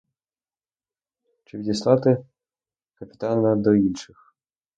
Чи відіслати капітана до інших?